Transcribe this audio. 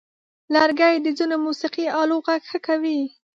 لرګی د ځینو موسیقي آلو غږ ښه کوي.